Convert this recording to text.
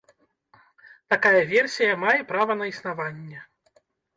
Такая версія мае права на існаванне.